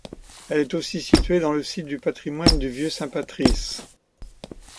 Elle est aussi située dans le site du patrimoine du Vieux-Saint-Patrice.